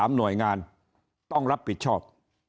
หน่วยงานต้องรับผิดชอบ